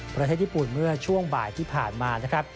ประเทศญี่ปุ่นเมื่อช่วงบ่ายที่ผ่านมานะครับ